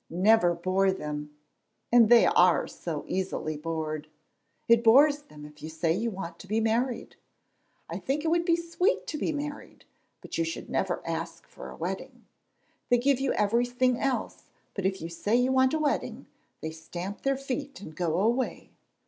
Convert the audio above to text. "Never bore them and they are so easily bored! It bores them if you say you want to be married. I think it would be sweet to be married, but you should never ask for a wedding. They give you everything else, but if you say you want a wedding, they stamp their feet and go away.